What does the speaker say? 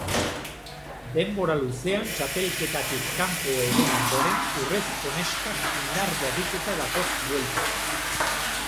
Denbora luzean txapelketetatik kanpo egon ondoren, urrezko neskak indar berrituta datoz bueltan.